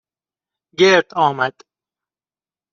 گرد آمد